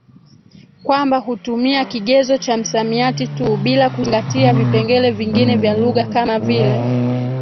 kwamba hutumia kigezo cha msamiati tu bila kuzingatia vipengele vingine vya lugha kama vile